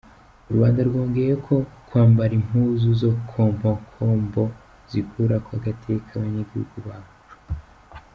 Urwanda rwongeyeko ko kwambara impuzu za kombokombo zikurako agateka abanyagihugu baco.